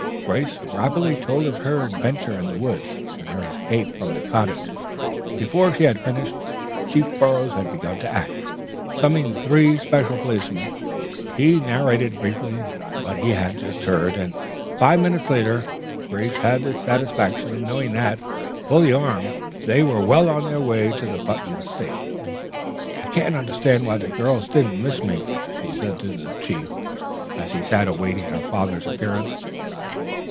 Grace rapidly told of her adventure in the woods, and her escape from the cottage. Before she had finished Chief Burroughs had begun to act. Summoning three special policemen, he narrated briefly what he had just heard, and five minutes later Grace had the satisfaction of knowing that, fully armed, they were well on their way to the Putnam estate. "I can't understand why the girls didn't miss me," she said to the chief, as she sat awaiting her father's appearance.